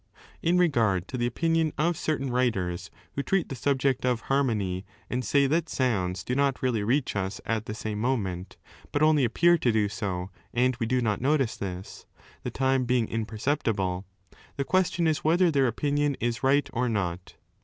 In regard to the opinion of certain writers who treat the subject of harmony, and say that sounds do not 190 Aristotle's psychology dbsbksu really reach us at the same moment, but only appear to do so and we do not notice this, the time being imper ceptible, the question is whether their opinion is right or i6 not.